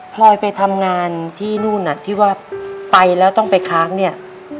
ลอยไปทำงานที่นู่นน่ะที่ว่าไปแล้วต้องไปค้างเนี่ย